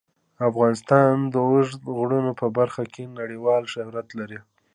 افغانستان د اوږدو غرونو په برخه کې نړیوال شهرت لري.